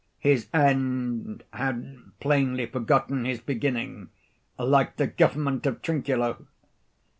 His end had plainly forgotten his beginning, like the government of Trinculo.